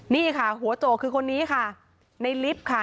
นี่ค่ะหัวโจกคือคนนี้ค่ะในลิฟต์ค่ะ